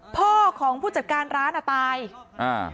พ่อของผู้จัดการร้านอ่ะตายอ่า